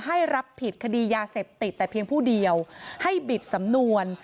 ให้รับผิดคดียาเสพติดแต่เพียงผู้เดียวให้บิดสำนวน